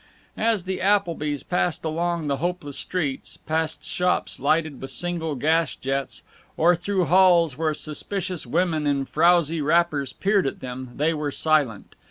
As the Applebys passed along the hopeless streets, past shops lighted with single gas jets, or through halls where suspicious women in frowsy wrappers peered at them, they were silent.